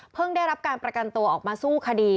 ได้รับการประกันตัวออกมาสู้คดี